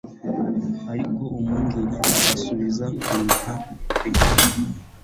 ariko umwungeri asubiza kuniha kwe